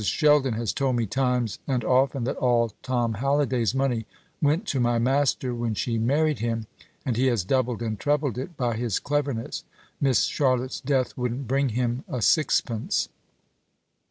Sheldon has told me times and often that all Tom Halliday's money went to my master when she married him, and he has doubled and trebled it by his cleverness. Miss Charlotte's death wouldn't bring him a sixpence."